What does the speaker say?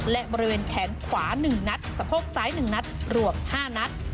และบริเวณแขนขวาหนึ่งนัดสะโพกซ้ายหนึ่งนัดรวมห้านัด